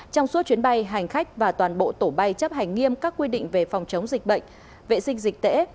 trong suốt chuyến bay hành khách và toàn bộ tổ bay chấp hành nghiêm các quy định về phòng chống dịch bệnh vệ sinh dịch tễ